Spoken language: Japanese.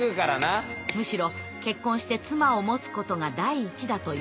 むしろ結婚して妻を持つことが第一だといわれました。